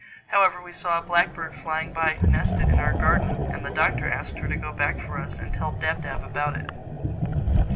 However, we saw a blackbird flying by who nested in our garden, and the Doctor asked her to go back for us and tell Dab Dab about it.